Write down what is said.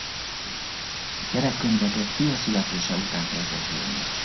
Gyerekkönyveket fia születése után kezdett írni.